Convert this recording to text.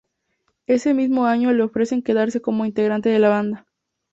Ese mismo año le ofrecen quedarse como integrante de la banda.